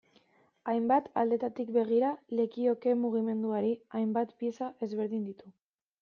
Hainbat aldetatik begira lekioke mugimenduari, hainbat pieza ezberdin ditu.